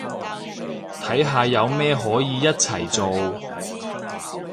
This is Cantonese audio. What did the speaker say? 睇下有咩可以一齊做